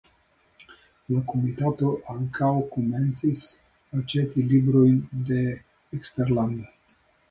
La komitato ankaŭ komencis aĉeti librojn de eksterlande.